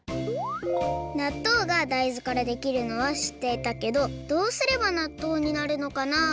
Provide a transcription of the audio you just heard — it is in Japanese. なっとうが大豆からできるのはしっていたけどどうすればなっとうになるのかな？